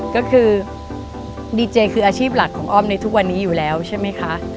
ก็คือดีเจคืออาชีพหลักของอ้อมในทุกวันนี้อยู่แล้วใช่ไหมคะ